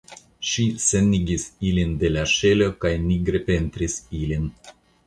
Ŝi senigis ilin de la ŝelo kaj nigre pentris ilin.